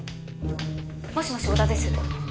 もしもし織田です。